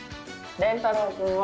れんたろうくんは？